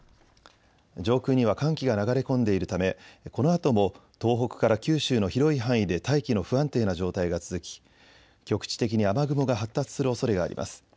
上空には寒気が流れ込んでいるため、このあとも東北から九州の広い範囲で大気の不安定な状態が続き局地的に雨雲が発達するおそれがあります。